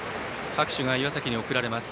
拍手が岩崎に送られます。